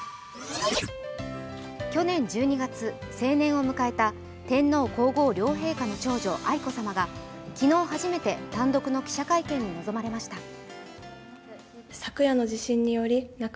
去年１２月、成年を迎えた天皇皇后両陛下の長女・愛子さまが昨日初めて単独の記者会見に臨まれました。